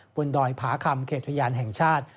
บนดอยผาคำเขตวิญญาณแห่งชาติ